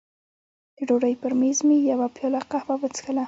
د ډوډۍ پر مېز مې یوه پیاله قهوه وڅښله.